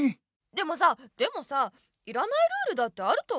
でもさでもさいらないルールだってあると思うよ。